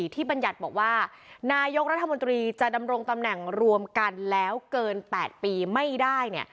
บัญญัติบอกว่านายกรัฐมนตรีจะดำรงตำแหน่งรวมกันแล้วเกิน๘ปีไม่ได้